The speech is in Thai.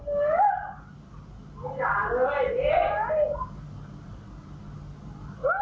เอาไงฟื้นเร็ว